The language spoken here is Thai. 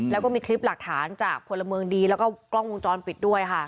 แล้วก็มีคลิปหลักฐานจากพลเมืองดีแล้วก็กล้องวงจรปิดด้วยค่ะ